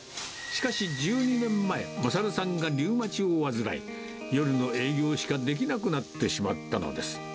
しかし１２年前、賢さんがリウマチを患い、夜の営業しかできなくなってしまったのです。